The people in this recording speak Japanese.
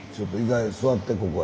座ってここへ。